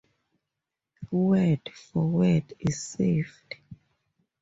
Word for word is saved.